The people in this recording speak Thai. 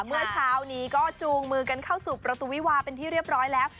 เมื่อเช้านี้ก็จูงมือกันเข้าสู่ประตูวิวาเป็นที่เรียบร้อยแล้ว